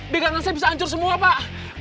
begangan saya bisa hancur semua pak